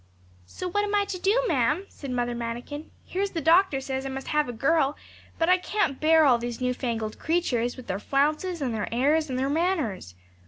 'So what am I to do, ma'am?' said Mother Manikin. 'Here's the doctor says I must have a girl; but I can't bear all these new fangled creatures, with their flounces, and their airs, and their manners.